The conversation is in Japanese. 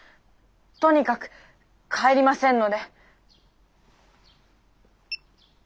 とにかく帰りませんので。